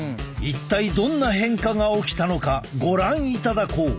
一体どんな変化が起きたのかご覧いただこう！